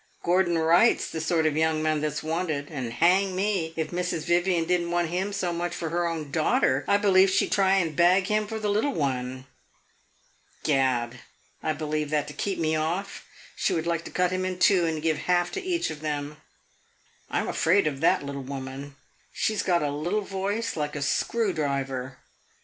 Gordon Wright's the sort of young man that 's wanted, and, hang me, if Mrs. Vivian did n't want him so much for her own daughter, I believe she 'd try and bag him for the little one. Gad, I believe that to keep me off she would like to cut him in two and give half to each of them! I 'm afraid of that little woman. She has got a little voice like a screw driver.